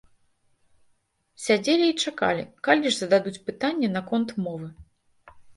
Сядзелі і чакалі, калі ж зададуць пытанне наконт мовы.